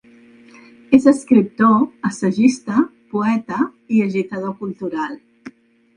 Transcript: És escriptor, assagista, poeta i agitador cultural.